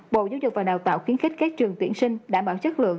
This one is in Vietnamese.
bộ giáo dục và đào tạo khuyến khích các trường tuyển sinh đảm bảo chất lượng